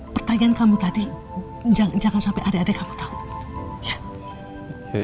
pertanyaan kamu tadi jangan sampai adik adik kamu tahu